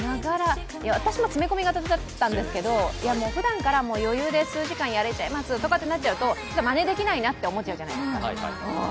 私も詰め込み型だったんですけど、ふだんから余裕で数時間やれちゃいますってなるとまねできないなって思っちゃうじゃないですか。